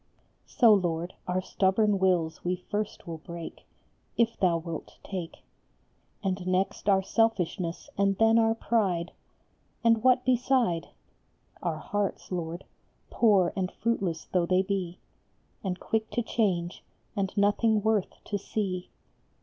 So, Lord, our stubborn wills we first will break, If thou wilt take ; And next our selfishness, and then our pride, And what beside ? Our hearts, Lord, poor and fruitless though they be, And quick to change, and nothing worth to see.